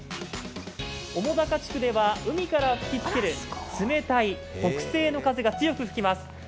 面高地区では海から吹きつける冷たい北西の風が強く吹きます。